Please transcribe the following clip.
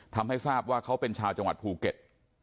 ทำให้ทราบว่าเขาเป็นชาวจังหวัดภูเก็ต